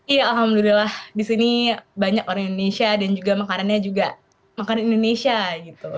iya alhamdulillah disini banyak orang indonesia dan juga makanannya juga makan indonesia gitu